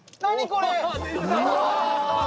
これ！